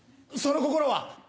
その心は。